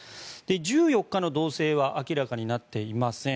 １４日の動静は明らかになっていません。